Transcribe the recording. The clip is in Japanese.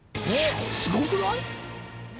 すごくない？